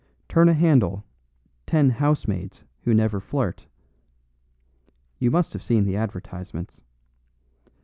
'Turn a Handle Ten Housemaids who Never Flirt.' You must have seen the advertisements.